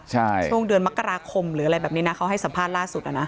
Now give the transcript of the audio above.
ใช่ช่วงเดือนมกราคมหรืออะไรแบบนี้นะเขาให้สัมภาษณ์ล่าสุดอ่ะนะ